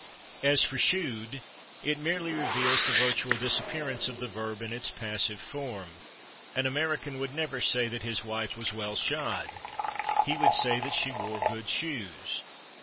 As for /shoed/, it merely reveals the virtual disappearance of the verb in its passive form. An American would never say that his wife was well /shod/; he would say that she wore good shoes.